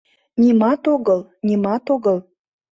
— Нимат огыл, нимат огыл...